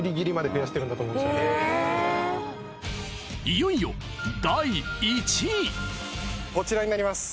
いよいよ第１位こちらになります